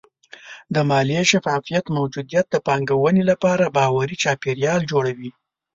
د مالي شفافیت موجودیت د پانګونې لپاره باوري چاپېریال جوړوي.